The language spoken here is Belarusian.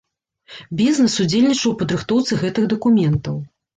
Бізнес удзельнічаў у падрыхтоўцы гэтых дакументаў.